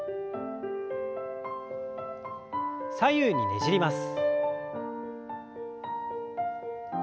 左右にねじります。